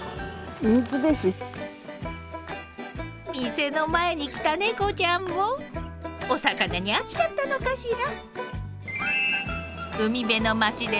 店の前に来た猫ちゃんもお魚に飽きちゃったのかしら？